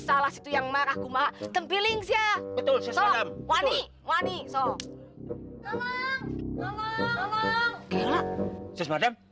salah situ yang marah kumar tempiling sia betul sesuatu